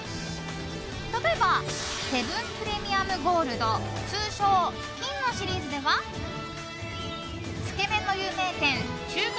例えばセブンプレミアムゴールド通称金のシリーズではつけ麺の有名店中華